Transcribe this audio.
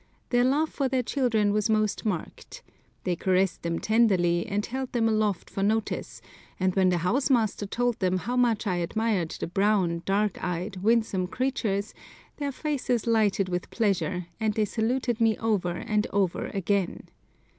Their love for their children was most marked. They caressed them tenderly, and held them aloft for notice, and when the house master told them how much I admired the brown, dark eyed, winsome creatures, their faces lighted with pleasure, and they saluted me over and over again.